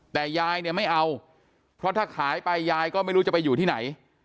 แต่ยายเนี่ยไม่เอาเพราะถ้าขายไปยายก็ไม่รู้จะไปอยู่ที่ไหน